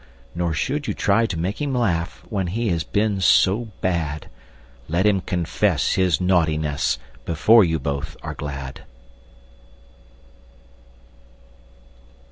Nor should you try to make him laugh When he has been so bad; Let him confess his naughtiness Before you both are glad!